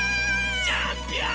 チャンピオン！